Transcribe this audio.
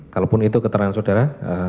kalaupun itu keterangan saudara